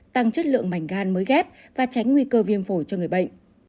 tăng chất lượng mảnh gan mới ghép và tránh nguy cơ viêm phổi cho người bệnh